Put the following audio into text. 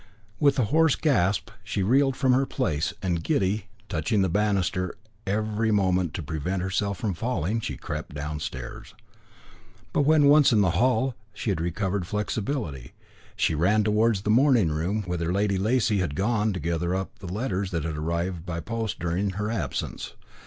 With a hoarse gasp she reeled from her place, and giddy, touching the banister every moment to prevent herself from falling, she crept downstairs. But when once in the hall, she had recovered flexibility. She ran towards the morning room, whither Lady Lacy had gone to gather up the letters that had arrived by post during her absence.